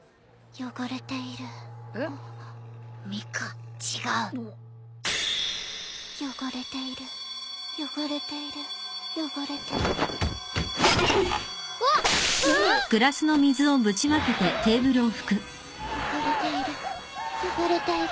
汚れている汚れている汚れている。